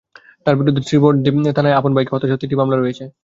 তাঁর বিরুদ্ধে শ্রীবরদী থানায় আপন ভাইকে হত্যাসহ তিনটি হত্যা মামলা রয়েছে।